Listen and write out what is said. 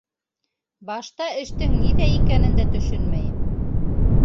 Башта эштең ниҙә икәнен дә төшөнмәйем.